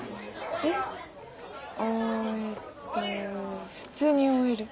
えっあえっと普通にＯＬ。